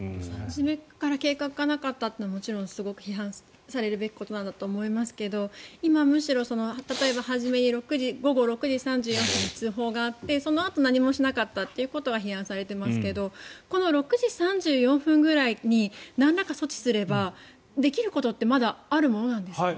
初めから計画がなかったのはもちろんすごく批判されるべきことだと思いますが今、むしろ例えば午後６時３４分に通報があってそのあと何もしなかったということが批判されていますが６時３４分ぐらいになんらか措置すればできることってまだあるんですか。